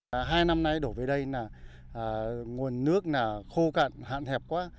hai năm nay đổ về đây nè nguồn nước khô cạn hạn hẹp quá